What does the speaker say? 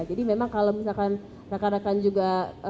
jadi memang kalau misalkan rakan rakan juga